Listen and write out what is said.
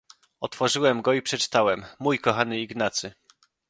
"Otworzyłem go i przeczytałem: „Mój kochany Ignacy!"